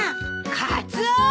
カツオ！